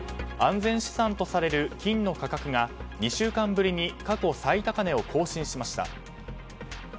安全資産とされる金の価格が２週間ぶりに過去最高値を更新しました。